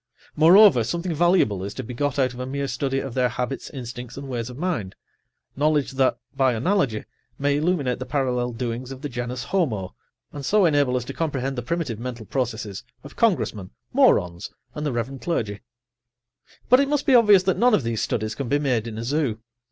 Moreover, something valuable is to be got out of a mere study of their habits, instincts and ways of mind—knowledge that, by analogy, may illuminate the parallel doings of the genus homo, and so enable us to comprehend the primitive[Pg 83] mental processes of Congressmen, morons and the rev. clergy. But it must be obvious that none of these studies can be made in a zoo.